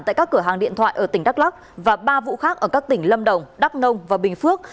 tại các cửa hàng điện thoại ở tỉnh đắk lắc và ba vụ khác ở các tỉnh lâm đồng đắk nông và bình phước